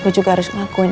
dan aku juga harus ngakuin